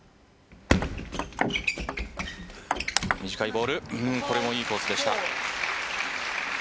短いボールこれもいいコースでした。